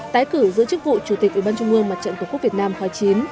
tái cử giữa chức vụ chủ tịch ủy ban trung mương mặt trận tổ quốc việt nam khóa chín